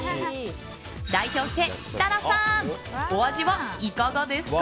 代表して設楽さんお味はいかがですか？